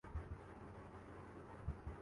متحدہ عرب امارات